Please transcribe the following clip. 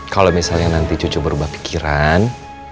kalau misalnya nanti cucu berubah pikiran